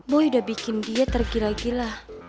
boy udah bikin dia tergila gila